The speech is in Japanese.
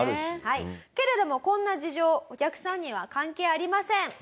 けれどもこんな事情お客さんには関係ありません。